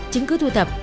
chứng cứu thu thập